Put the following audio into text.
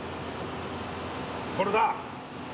これだ。